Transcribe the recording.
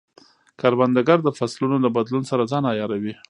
کروندګر د فصلونو د بدلون سره ځان عیاروي